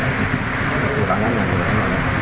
masih ada yang barangan yang mengar beispiel bu ocean